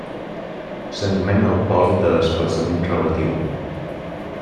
S'anomena el pol de desplaçament relatiu.